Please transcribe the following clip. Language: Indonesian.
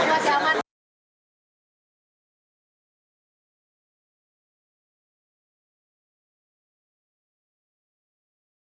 yaudah loh kita lihat seking rasa the